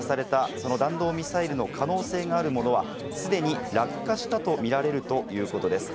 その弾道ミサイルの可能性があるものは既に落下したとみられるということです。